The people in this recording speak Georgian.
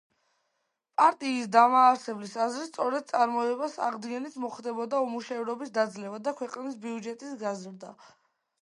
პარტიის დამაარსებლების აზრით, სწორედ წარმოების აღდგენით მოხდებოდა უმუშევრობის დაძლევა და ქვეყნის ბიუჯეტის გაზრდა.